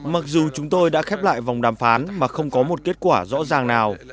mặc dù chúng tôi đã khép lại vòng đàm phán mà không có một kết quả rõ ràng nào